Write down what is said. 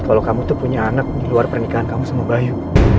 kalau kamu tuh punya anak di luar pernikahan kamu sama bayu